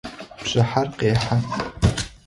Бжыхьэр къехьэ.